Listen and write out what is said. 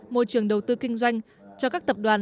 môi trường đầu tư kinh doanh cho các tập đoàn